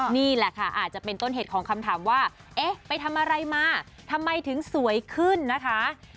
นี่แหละค่ะอาจจะเป็นต้นเหตุของคำถามว่าเอ๊ะไปทำอะไรมาทำไมถึงสวยขึ้นนะคะ